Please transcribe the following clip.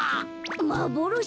まぼろし？